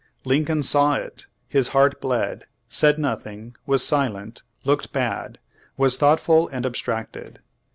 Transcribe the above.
Lincoln saw it; his heart bled; said nothing; was silent; looked bad; was thoughtful and abstracted.